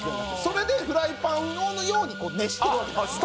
それでフライパンのように熱してるわけです。